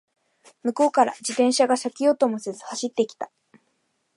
向こうから自転車が避けようともせず走ってきた